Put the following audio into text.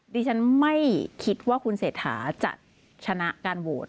ดิฉันไม่คิดว่าคุณเศรษฐาจะชนะการโหวต